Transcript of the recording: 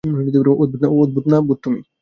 অদ্ভুত না, ভূত তুমি।